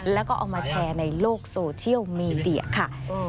แล้วก็เอามาแชร์ในโลกโซเชียลมีเดียค่ะ